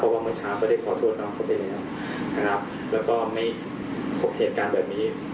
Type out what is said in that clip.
ก็คงมีแค่นี้ครับ